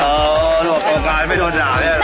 โอ๊ะประการไม่โดนห่าเนี่ย